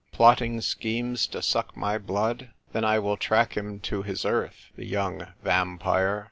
" Plotting schemes to suck my blood ? Then I will track him to his earth — the young vampire.